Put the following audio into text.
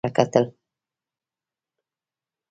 هغه خپلو لاسونو ته په ډیره حیرانتیا سره کتل